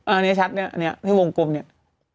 อันนี้ชัดเนี่ยะอยู่วงกลมเนี่ยะ